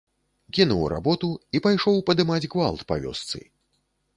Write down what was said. Кінуў работу і пайшоў падымаць гвалт па вёсцы.